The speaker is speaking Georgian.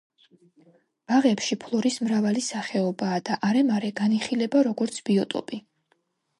ბაღებში ფლორის მრავალი სახეობაა და არემარე განიხილება, როგორც ბიოტოპი.